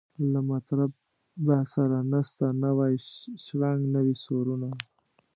له مطربه سره نسته نوی شرنګ نوي سورونه